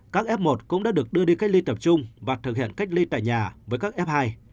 các f một cũng đã được đưa đi cách ly tập trung và thực hiện cách ly tại nhà với các f hai